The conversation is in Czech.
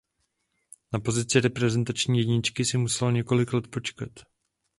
Na pozici reprezentační jedničky si musel několik let počkat.